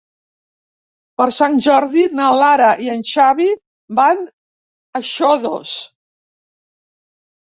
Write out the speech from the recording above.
Per Sant Jordi na Lara i en Xavi van a Xodos.